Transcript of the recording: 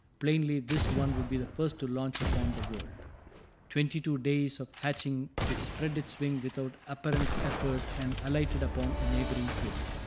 Plainly this one would be the first to launch upon the world. Twenty two days after hatching it spread its wings without apparent effort and alighted upon a neighboring twig.